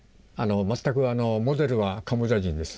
全くモデルはカンボジア人です。